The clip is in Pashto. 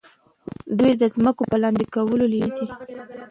دوی د ځمکو په لاندې کولو لیوني دي.